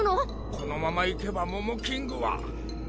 このままいけばモモキングは。